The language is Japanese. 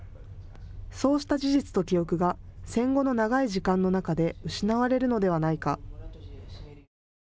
そうした事実と記憶が戦後の長い時間の中で失われるのではないか。